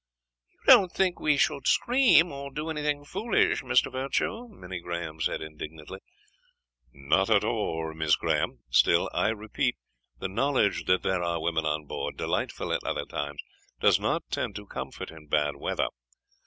"You don't think we should scream, or do anything foolish, Mr. Virtue?" Minnie Graham said indignantly. "Not at all, Miss Graham. Still, I repeat, the knowledge that there are women on board, delightful at other times, does not tend to comfort in bad weather.